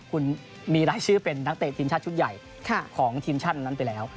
คุณมีรายชื่อเป็นนักเตะทีมชาติชุดใหญ่ของทีมชาตินั้นไปแล้ว